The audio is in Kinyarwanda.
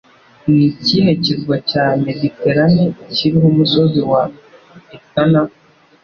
Ni ikihe kirwa cya Mediterane kiriho umusozi wa Etna?